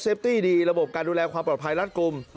ตี้ดีระบบการดูแลความปลอดภัยรัดกลุ่ม